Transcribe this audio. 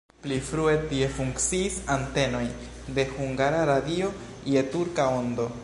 Pli frue tie funkciis antenoj de Hungara Radio je kurta ondo.